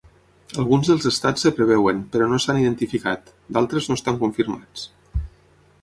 Alguns dels estats es preveuen, però no s'han identificat; d'altres no estan confirmats.